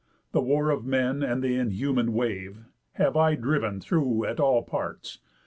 The war of men, and the inhuman wave, Have I driv'n through at all parts.